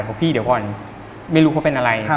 พี่เดี๋ยวก่อนไม่รู้เขาเป็นอะไร